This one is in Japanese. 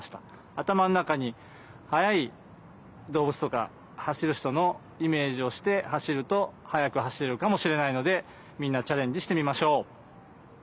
頭の中に速い動物とか走る人のイメージをして走ると速く走れるかもしれないのでみんなチャレンジしてみましょう。